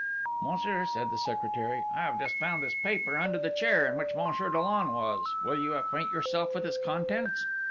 'Monsieur,' said the secretary, 'I have just found this paper under the chair in which Monsieur Dollon was: will you acquaint yourself with its contents?'